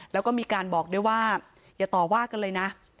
แล้วก็มีการบอกด้วยว่าอย่าต่อว่ากันเลยนะ